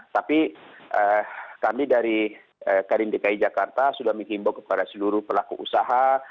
tapi kami dari kadin dki jakarta sudah menghimbau kepada seluruh pelaku usaha